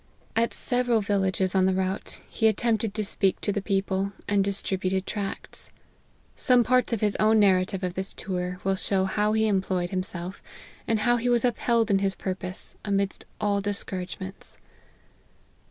At several villages on the route he attempted to speak to the people, and distributed tracts. Some parts of his own nar rative of this tour, will show how he employed himself, and how he was upheld in his purpose amidst all discouragements.